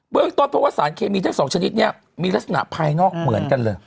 เรื่องต้นเพราะว่าสารเคมีทั้งสองชนิดนี้มีลักษณะภายนอกเหมือนกันเลย